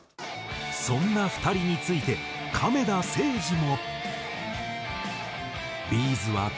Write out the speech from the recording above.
そんな２人について亀田誠治も。